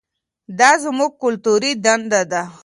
دا زموږ کلتوري دنده ده.